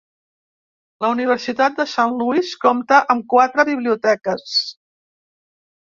La Universitat de Saint Louis compta amb quatre biblioteques.